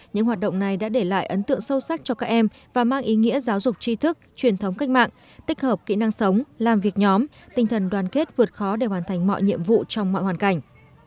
những hoạt động này đã để lại ấn tượng sâu sắc cho các em và mang ý nghĩa giáo dục tri thức truyền thống cách mạng tích hợp kỹ năng sống làm việc nhóm tinh thần đoàn kết vượt khó để hoàn thành mọi nhiệm vụ trong mọi hoàn cảnh